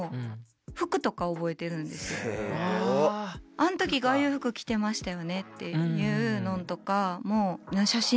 「あん時ああいう服着てましたよね」っていうのとかも。